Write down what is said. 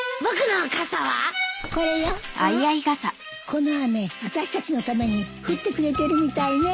この雨私たちのために降ってくれてるみたいね。